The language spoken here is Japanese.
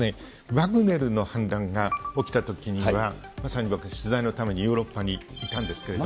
ワグネルの反乱が起きたときには、まさに僕は取材のためにヨーロッパにいたんですけれども。